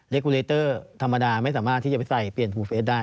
กูเลเตอร์ธรรมดาไม่สามารถที่จะไปใส่เปลี่ยนภูเฟสได้